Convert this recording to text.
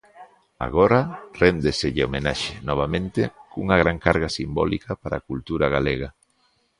Agora, réndeselle homenaxe, novamente, cunha gran carga simbólica para a cultura galega.